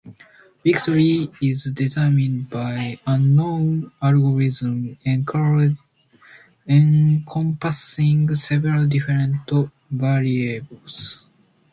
Victory is determined by an unknown algorithm encompassing several different variables.